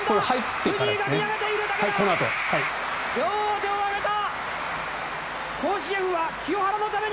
両手を上げた！